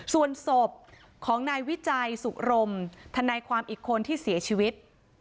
ก็ควรศพของนายวิจัยสุขรมธันในความอิขนที่เสียชีวิต